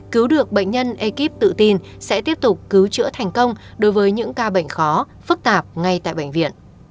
cứu được bệnh nhân ekip tự tin sẽ tiếp tục cứu chữa thành công đối với những ca bệnh khó phức tạp ngay tại bệnh viện